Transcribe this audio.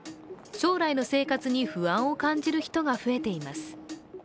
将来の生活に不安を感じる人が増えています。